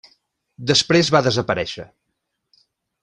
Després va desaparèixer.